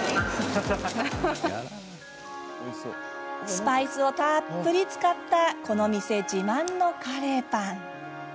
スパイスをたっぷり使ったこの店自慢のカレーパン。